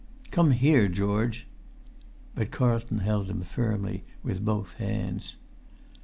"Come here, George!" But Carlton held him firmly with both hands.